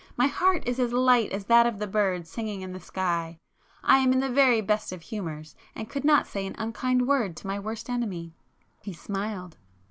—my heart is as light as that of the bird singing in the sky; I am in the very best of humours, and could not say an unkind word to my worst enemy." He smiled.